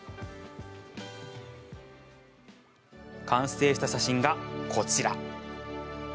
完成した写真が、こちら。